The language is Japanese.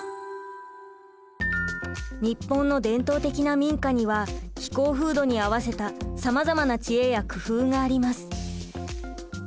日本の伝統的な民家には気候風土に合わせたさまざまな知恵や工夫があります。